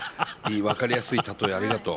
分かりやすいたとえありがとう。